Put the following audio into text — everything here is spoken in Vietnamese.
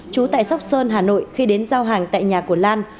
trú tại sóc sơn hà nội khi đến giao hàng tại nhà của lan